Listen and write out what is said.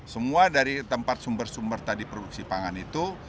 semua dari tempat sumber sumber tadi produksi pangan itu